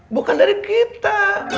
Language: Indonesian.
bukan dari kita